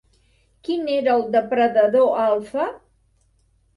Quin era el depredador alfa?